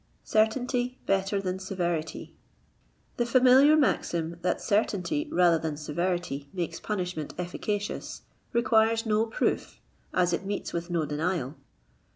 CEftTAlNTT BETTER THAN SEVERITY. The familiar maxim that certainty rather than severity makes punishment efficacious, requires no proof, as it meets with no denial.